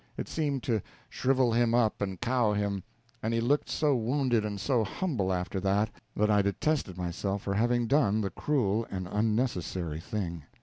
It seemed to shrivel him up and cow him; and he looked so wounded and so humble after that, that I detested myself for having done the cruel and unnecessary thing.